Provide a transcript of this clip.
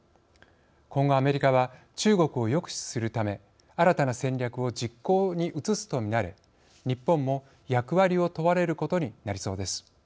今後、アメリカは中国を抑止するため新たな戦略を実行に移すとみられ日本も役割を問われることになりそうです。